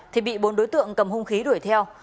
thì bị bốn đối tượng cầm hung khí đuổi theo